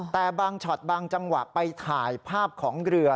แต่บางช็อตบางจังหวะไปถ่ายภาพของเรือ